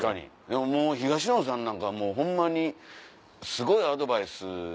でももう東野さんなんかはもうホンマにすごいアドバイス。